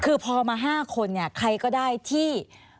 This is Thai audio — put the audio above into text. คือพอมา๕คนใครก็ได้ที่